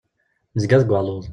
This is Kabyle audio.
Nezga deg waluḍ.